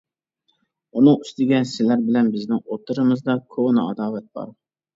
ئۇنىڭ ئۈستىگە، سىلەر بىلەن بىزنىڭ ئوتتۇرىمىزدا كونا ئاداۋەت بار.